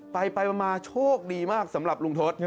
ไปมาโชคดีมากสำหรับลุงทศ